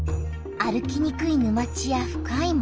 歩きにくい沼地や深い森